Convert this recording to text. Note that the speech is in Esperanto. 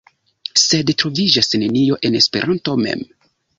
Sed troviĝas nenio en Esperanto mem.